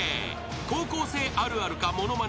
高校生あるあるかものまねか？］